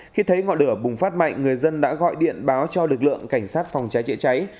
khi thấy ngọn lửa bùng phát mạnh người dân đã gọi điện báo cho lực lượng cảnh sát phòng cháy chữa cháy